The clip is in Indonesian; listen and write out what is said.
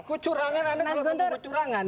kecurangan anda selalu kutuk kecurangan